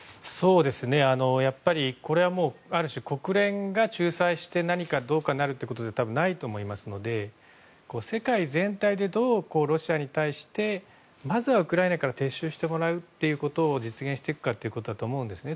やっぱりこれはある種、国連が仲裁して何かどうかなるということではないと思いますので世界全体で、どうロシアに対してまずはウクライナから撤収してもらうということを実現していくかだと思うんですよ